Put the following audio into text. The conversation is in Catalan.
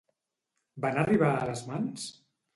Van arribar a les mans?